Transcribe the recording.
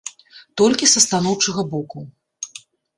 Толькі са станоўчага боку.